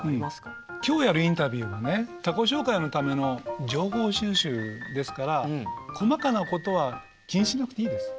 今日やるインタビューはね他己紹介のための情報収集ですから細かなことは気にしなくていいです。